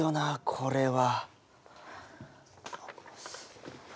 これは。